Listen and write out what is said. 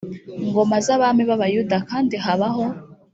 ngoma z abami b abayuda kandi habaho